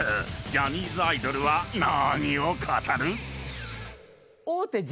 ジャニーズアイドルは何を語る？］